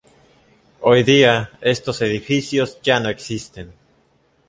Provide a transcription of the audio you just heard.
Hoy día estos edificios ya no existen.